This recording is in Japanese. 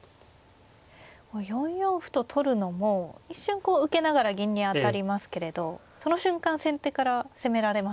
４四歩と取るのも一瞬こう受けながら銀に当たりますけれどその瞬間先手から攻められますよね。